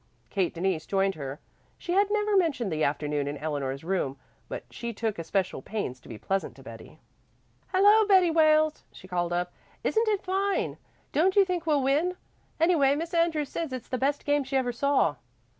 Kate Denise joined her. She had never mentioned the afternoon in Eleanor's room, but she took especial pains to be pleasant to Betty. "Hello, Betty Wales," she called up. "Isn't it fine? Don't you think we'll win? Anyway Miss Andrews says it's the best game she ever saw."